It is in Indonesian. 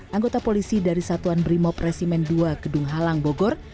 anggota polisi dari satuan brimob resimen dua gedung halang bogor